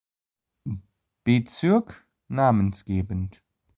Bezirk namensgebend.